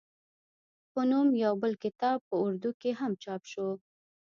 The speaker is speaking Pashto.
پۀ نوم يو بل کتاب پۀ اردو کښې هم چاپ شو